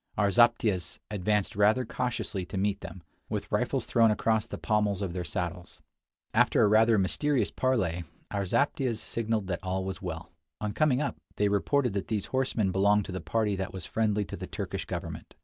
Our zaptiehs advanced rather cautiously to meet them, with rifles thrown across the pommels of their saddles. After a rather mysterious parley, our zaptiehs signaled that all was well. On coming up, they reported that these horsemen belonged to the party that was friendly to the Turkish government.